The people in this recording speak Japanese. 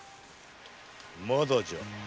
まだじゃ。